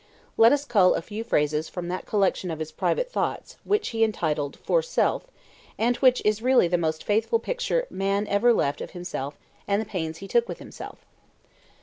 Let us cull a few phrases from that collection of his private thoughts, which he entitled For Self, and which is really the most faithful picture man ever left of himself and the pains he took with himself.